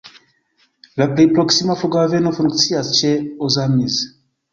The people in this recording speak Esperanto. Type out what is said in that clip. La plej proksima flughaveno funkcias ĉe Ozamiz.